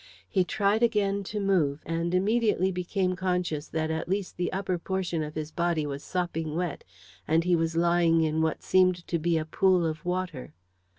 He tried again to move, and immediately became conscious that at least the upper portion of his body was sopping wet, and he was lying in what seemed to be a pool of water.